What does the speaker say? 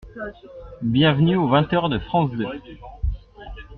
Bienvenue au vingt heures de France Deux.